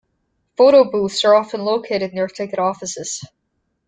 Photo booths are often located near ticket offices.